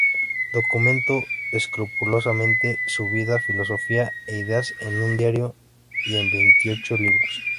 Documentó escrupulosamente su vida, filosofía e ideas en un diario y en veintiocho libros.